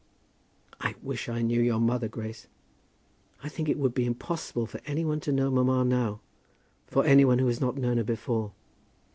"I wish I knew your mother, Grace." "I think it would be impossible for any one to know mamma now, for any one who had not known her before.